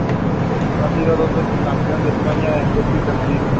Ha sido dos veces campeón de España de rugby femenino.